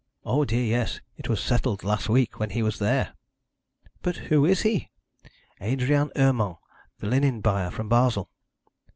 'O dear, yes. It was settled last week when he was there.' 'But who is he?' 'Adrian Urmand, the linen buyer from Basle.'